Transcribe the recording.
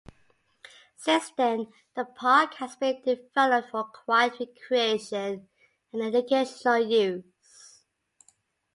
Since then the park has been developed for quiet recreation and educational use.